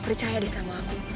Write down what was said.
percaya deh sama aku